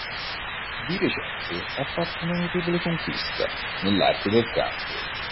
Di recente ha fatto una notevole conquista dell'arte del canto".